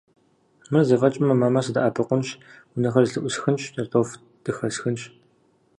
Мыр зэфӏэкӏмэ, мамэ сыдэӏэпыкъунщ, унэхэр зэлъыӏусхынщ, кӏэртӏоф дыхэссэнщ.